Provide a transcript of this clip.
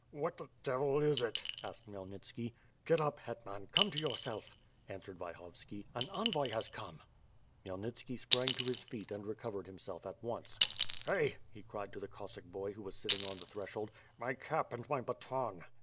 "What the devil is it?" asked Khmyelnitski. "Get up hetman, come to yourself," answered Vyhovski. "An envoy has come.'' Khmyelnitski sprang to his feet and recovered himself at once. "Hey!" he cried to the Cossack boy who was sitting on the threshold, "my cap, and my baton."